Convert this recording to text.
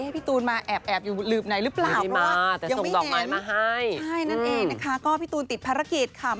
พี่ตูนมาแอบอยู่หลืบในหรือเปล่า